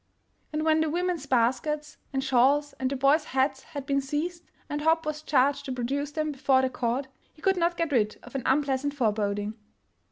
And when the women's baskets and shawls and the boys' hats had been seized and Hopp was charged to produce them before the court, he could not get rid of an unpleasant foreboding.